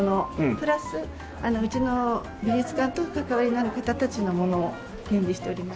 プラスうちの美術館と関わりのある方たちのものを展示しております。